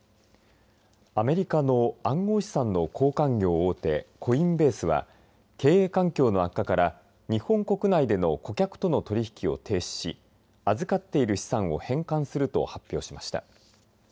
アメリカの暗号資産の交換業大手コインベースは経営環境の悪化から日本国内での顧客との取り引きを停止し預かっている資産を返還すると発表しました。